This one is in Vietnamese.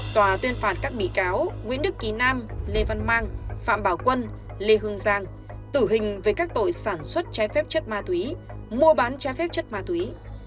tòa tuyên phạt các bị cáo nguyễn đức kỳ nam lê văn mang phạm bảo quân lê hương giang tử hình về các tội sản xuất trái phép chất ma túy mua bán trái phép chất ma túy